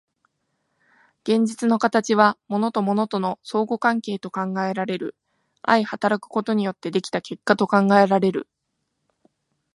現実の形は物と物との相互関係と考えられる、相働くことによって出来た結果と考えられる。